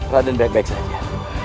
raden baik baik saja